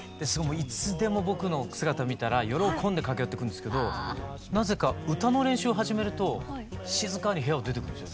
いつでも僕の姿を見たら喜んで駆け寄ってくるんですけどなぜか歌の練習を始めると静かに部屋を出てくんですよ。